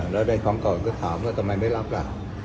แล้วในความต่อไปก็ถามก็ทำไมไม่รับระ